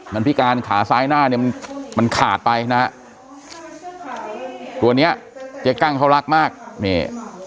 มันพิการขาซ้ายหน้าเนี่ยมันมันขาดไปนะฮะตัวเนี้ยเจ๊กั้งเขารักมากนี่